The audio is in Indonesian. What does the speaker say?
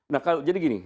nah jadi gini